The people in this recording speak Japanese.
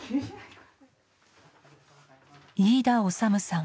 飯田修さん